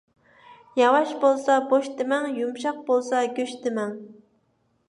ياۋاش بولسا بوش دېمەڭ، يۇمشاق بولسا گۆش دېمەڭ.